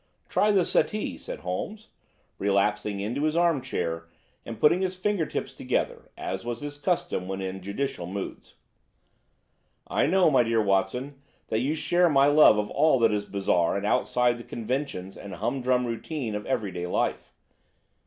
"Try the settee," said Holmes, relapsing into his armchair and putting his fingertips together, as was his custom when in judicial moods. "I know, my dear Watson, that you share my love of all that is bizarre and outside the conventions and humdrum routine of everyday life.